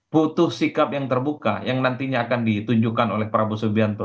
butuh sikap yang terbuka yang nantinya akan ditunjukkan oleh prabowo subianto